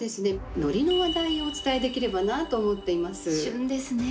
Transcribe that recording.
海苔の話題をお伝えできればなと思っています。